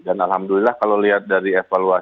dan alhamdulillah kalau lihat dari efeknya